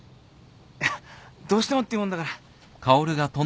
いやどうしてもって言うもんだから。